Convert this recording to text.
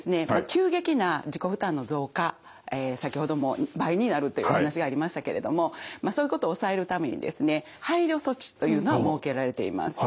急激な自己負担の増加先ほども倍になるというお話がありましたけれどもそういうことを抑えるためにですね配慮措置というのが設けられています。